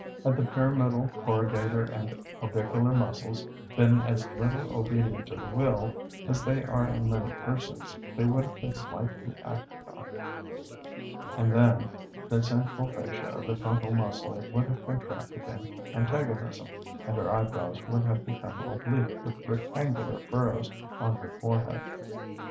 Had the pyramidal, corrugator, and orbicular muscles been as little obedient to the will, as they are in many persons, they would have been slightly acted on; and then the central fasciae of the frontal muscle would have contracted in antagonism, and her eyebrows would have become oblique, with rectangular furrows on her forehead.